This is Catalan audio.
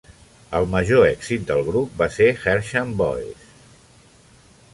El major èxit del grup va ser "Hersham Boys".